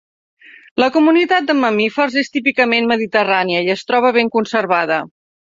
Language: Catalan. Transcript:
La comunitat de mamífers és típicament mediterrània i es troba ben conservada.